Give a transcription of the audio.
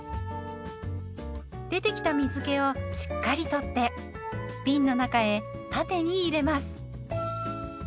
出てきた水けをしっかり取ってびんの中へ縦に入れます。